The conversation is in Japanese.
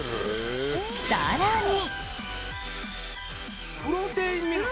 更に。